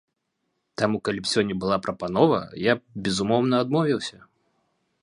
Таму калі б сёння была прапанова, я б, безумоўна, адмовіўся.